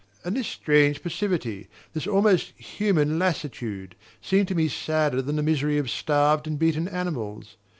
And this strange passivity, this almost human lassitude, seemed to me sadder than the misery of starved and beaten animals.